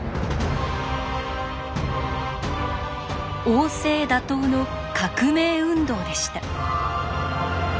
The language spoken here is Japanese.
王政打倒の革命運動でした。